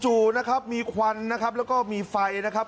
จู่นะครับมีควันนะครับแล้วก็มีไฟนะครับ